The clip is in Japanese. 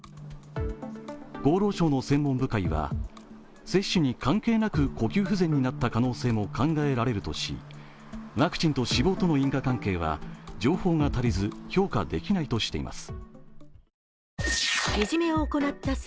厚労省の専門部会は接種に関係なく呼吸不全になった可能性も考えられるとしワクチンと死亡との因果関係は情報が足りず評価できないとしています。